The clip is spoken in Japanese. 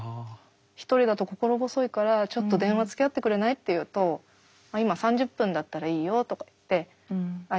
一人だと心細いからちょっと電話つきあってくれない？」って言うと「今３０分だったらいいよ」とかって相手してくれる友達がいたりとか。